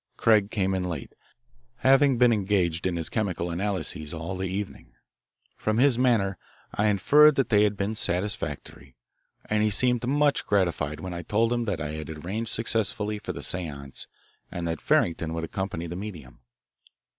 Craig came in late, having been engaged in his chemical analyses all the evening. From his manner I inferred that they had been satisfactory, and he seemed much gratified when I told him that I had arranged successfully for the seance and that Farrington would accompany the medium.